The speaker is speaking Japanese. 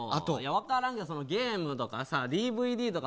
分からんけどゲームとかＤＶＤとか。